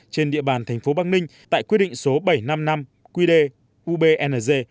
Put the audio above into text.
trên địa bàn thành phố bắc ninh tại quy định số bảy trăm năm mươi năm qd ubng